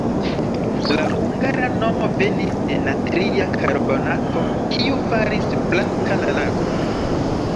La hungara nomo venis de natria karbonato, kiu faris blanka la lagon.